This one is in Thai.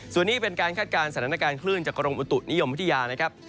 ส่วนนี้เป็นการคาดการณ์สถานการณ์คลื่นจากกรมอุตุนิยมวิทยานะครับ